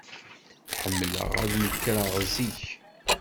Ḥemmleɣ ad nekreɣ zik.